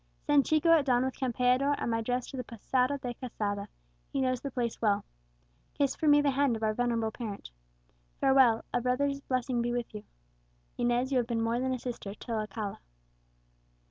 Send Chico at dawn with Campeador and my dress to the Posada de Quesada; he knows the place well. Kiss for me the hand of our venerable parent. Farewell! a brother's blessing be with you! Inez, you have been more than a sister to Alcala."